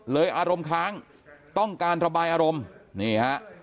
อารมณ์ค้างต้องการระบายอารมณ์นี่ฮะ